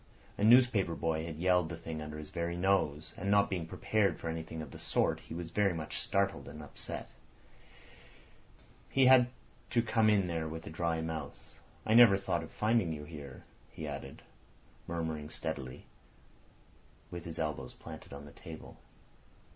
A newspaper boy had yelled the thing under his very nose, and not being prepared for anything of that sort, he was very much startled and upset. He had to come in there with a dry mouth. "I never thought of finding you here," he added, murmuring steadily, with his elbows planted on the table.